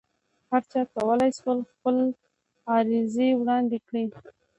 هرچا کولای شول خپل عرایض وړاندې کړي.